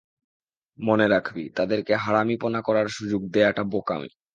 মনে রাখবি, তাদেরকে হারামিপনা করার সুযোগ দেয়াটা বোকামি।